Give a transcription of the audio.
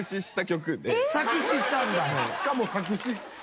しかも作詞？